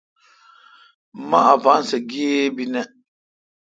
مہ اپاسہ گیب ای نہ۔